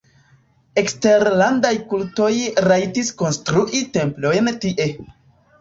Eksterlandaj kultoj rajtis konstrui templojn tie.